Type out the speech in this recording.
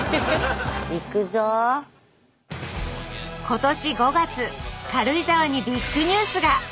今年５月軽井沢にビッグニュースが。